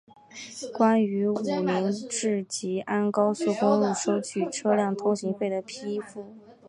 关于武宁至吉安高速公路收取车辆通行费的批复